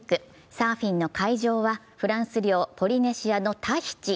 サーフィンの会場はフランス領ポリネシアのタヒチ。